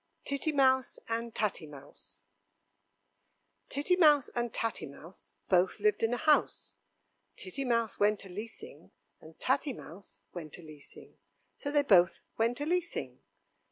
Titty Mouse and Tatty Mouse Titty Mouse and Tatty Mouse both lived in a house, Titty Mouse went a leasing and Tatty Mouse went a leasing, So they both went a leasing.